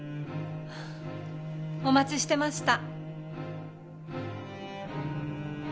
お待ちしてました。